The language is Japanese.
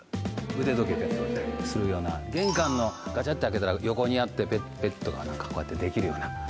腕時計置いたりもするような玄関のガチャって開けたら横にあってペッペッとか何かこうやってできるような。